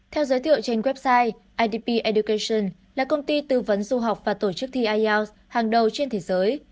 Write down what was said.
theo giới thiệu trên website idp education là công ty tư vấn du học và tổ chức thi ielts hàng đầu trên thế giới